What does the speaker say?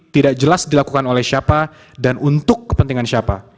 tidak jelas dilakukan oleh siapa dan untuk kepentingan siapa